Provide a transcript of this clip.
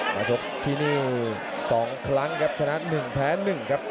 ชกที่นี่๒ครั้งครับชนะ๑แพ้๑ครับ